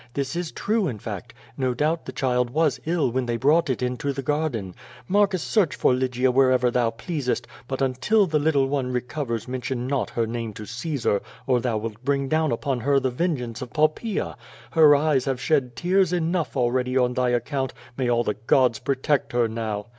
This is true in fact. No doubt the child was ill when they brought it into the garden. Marcus, search for Lygia wherever thou pleasest, but until the little one re covers mention not her name to Caesar, or thou wilt bring down upon her the vengeance of Poppaea. Her eyes have slied tears enough already on thy account. May all the gods protect her now."